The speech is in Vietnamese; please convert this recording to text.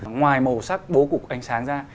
ngoài màu sắc bố cục ánh sáng ra